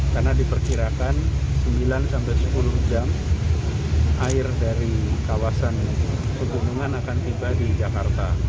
karena diperkirakan sembilan sepuluh jam air dari kawasan kekunungan akan tiba di jakarta